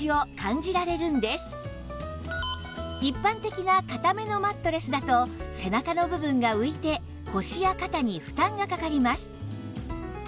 一般的な硬めのマットレスだと背中の部分が浮いて腰や肩に負担がかかります